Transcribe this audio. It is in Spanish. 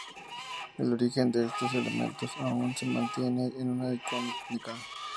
El origen de estos elementos aún se mantiene en una incógnita.